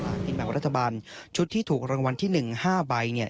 สวัสดีคุณพี่หมายว่ารัฐบาลชุดที่ถูกรางวัลที่หนึ่งห้าใบเนี่ย